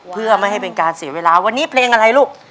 เพื่อไม่ให้เป็นการเสียเวลาวันนี้เพลงอะไรลูก